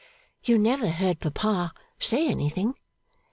'You never heard Papa say anything?